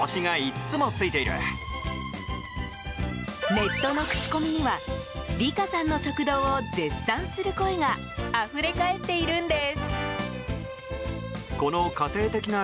ネットの口コミには理佳さんの食堂を絶賛する声があふれ返っているんです。